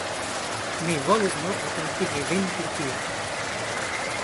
Mi volis nur atentigi vin pri tio.